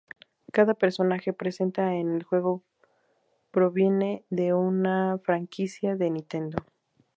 Cada personaje presente en el juego proviene de una franquicia de Nintendo.